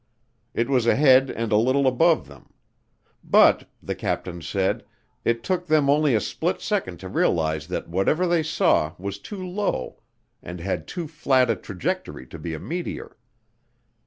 It was ahead and a little above them. But, the captain said, it took them only a split second to realize that whatever they saw was too low and had too flat a trajectory to be a meteor.